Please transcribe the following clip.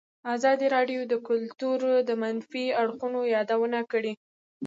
ازادي راډیو د کلتور د منفي اړخونو یادونه کړې.